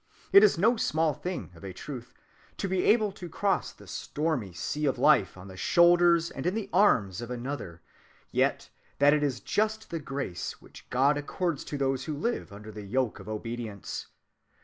It is no small thing, of a truth, to be able to cross the stormy sea of life on the shoulders and in the arms of another, yet that is just the grace which God accords to those who live under the yoke of obedience.